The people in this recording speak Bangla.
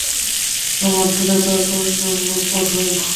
আমার সাথে তার কয়েকজন লোক পাঠাল।